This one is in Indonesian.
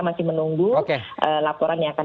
masih menunggu laporan yang akan